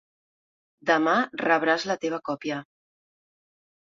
Demà rebràs la teva còpia.